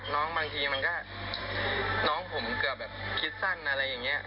น้องผมเกือบคิดสั้นอะไรอย่างเงี้ย